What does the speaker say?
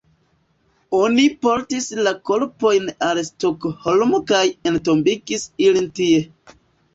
Oni portis la korpojn al Stokholmo kaj entombigis ilin tie.